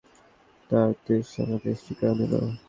তাঁর দৃশ্য আমার দৃষ্টি কেড়ে নিল।